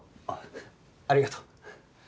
あありがとう。